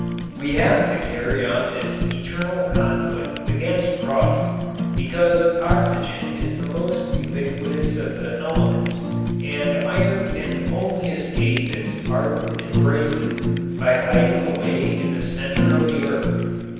We have to carry on this eternal conflict against rust because oxygen is the most ubiquitous of the elements and iron can only escape its ardent embraces by hiding away in the center of the earth.